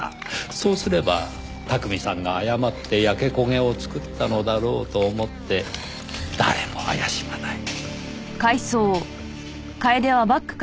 そうすれば巧さんが誤って焼け焦げを作ったのだろうと思って誰も怪しまない。